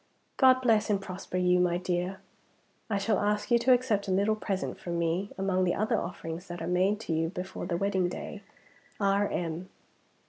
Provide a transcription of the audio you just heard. "God bless and prosper you, my dear. I shall ask you to accept a little present from me, among the other offerings that are made to you before the wedding day. R.M."